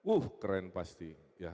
uh keren pasti